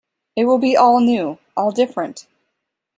It will be all new, all different.